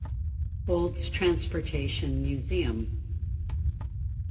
Olds Transportation Museum.